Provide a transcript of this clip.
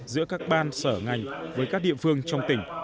giữa các ban sở ngành với các địa phương trong tỉnh